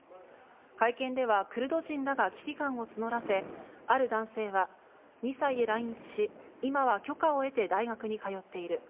会見ではクルド人らが危機感を募らせ、ある男性は、２歳で来日し、今は許可を得て大学に通っている。